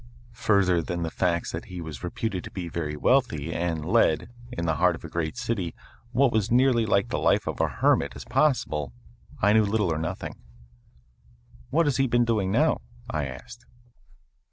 Further than the facts that he was reputed to be very wealthy and led, in the heart of a great city, what was as nearly like the life of a hermit as possible, I knew little or nothing. "What has he been doing now?" I asked.